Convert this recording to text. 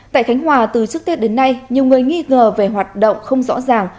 tại khánh hòa từ trước tết đến nay nhiều người nghi ngờ về hoạt động không rõ ràng